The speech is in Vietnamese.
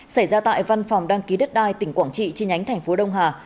xảy ra tại văn phòng đăng ký đất đai tỉnh quảng trị trên nhánh tp đông hà